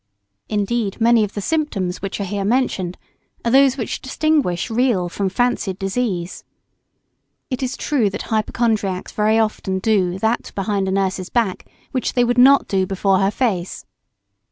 Indeed, many of the symptoms which are here mentioned are those which distinguish real from fancied disease. It is true that hypochondriacs very often do that behind a nurse's back which they would not do before her face.